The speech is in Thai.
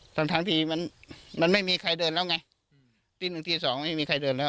ทั้งทีมันมันไม่มีใครเดินแล้วไงตีหนึ่งตีสองไม่มีใครเดินแล้ว